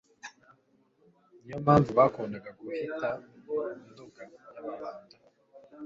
niyo mpamvu bakundaga kuhita mu Nduga y'Ababanda.